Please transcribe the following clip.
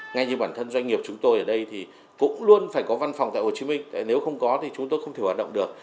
ngay như bản thân doanh nghiệp chúng tôi ở đây thì cũng luôn phải có văn phòng tại hồ chí minh nếu không có thì chúng tôi không thể hoạt động được